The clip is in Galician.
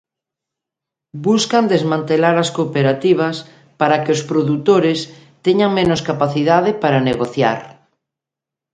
Buscan desmantelar as cooperativas para que os produtores teñan menos capacidade para negociar.